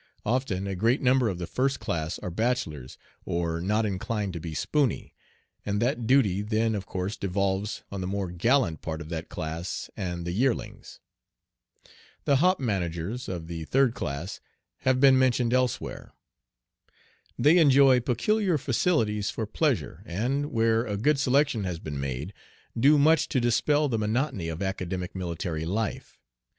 Often a great number of the first class are bachelors, or not inclined to be spooney; and that duty then of course devolves on the more gallant part of that class and the yearlings. The hop managers of the third class have been mentioned elsewhere. They enjoy peculiar facilities for pleasure, and, where a good selection has been made, do much to dispel the monotony of academic military life.